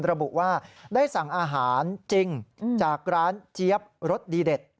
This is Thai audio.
ระบุว่าได้สั่งอาหารจริงจากร้านเจี๊ยบรสดีเด็ด